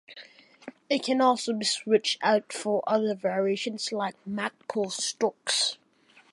It can also be switched out for other variations like Magpul stocks.